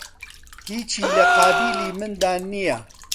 هیچی لە قابیلی مندا نییە